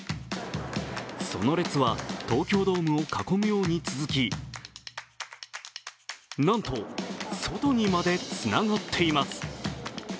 その列は、東京ドームを囲むように続き、なんと外にまでつながっています。